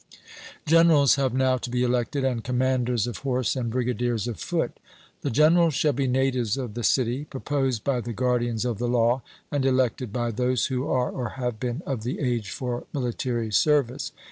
Generals have now to be elected, and commanders of horse and brigadiers of foot. The generals shall be natives of the city, proposed by the guardians of the law, and elected by those who are or have been of the age for military service.